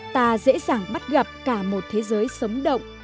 ta dễ dàng bắt gặp cả một thế giới sống động